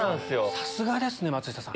さすがですね松下さん。